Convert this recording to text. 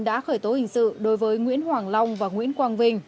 đã khởi tố hình sự đối với nguyễn hoàng long và nguyễn quang vinh